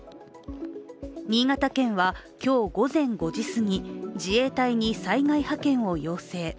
新潟県は今日午前５時すぎ自衛隊に災害派遣を要請。